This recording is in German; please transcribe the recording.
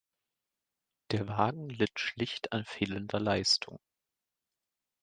Der Wagen litt schlicht an fehlender Leistung.